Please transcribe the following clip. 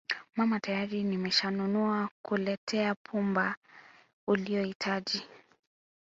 mama tayari nimeshanunua kuletea pumba uliyohitaji